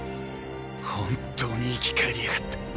本当に生き返りやがった。